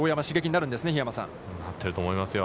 なっていると思いますよ。